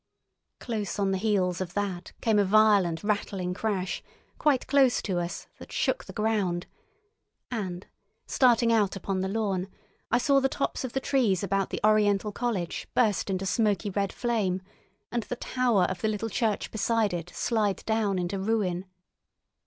Close on the heels of that came a violent rattling crash, quite close to us, that shook the ground; and, starting out upon the lawn, I saw the tops of the trees about the Oriental College burst into smoky red flame, and the tower of the little church beside it slide down into ruin.